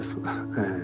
ええ。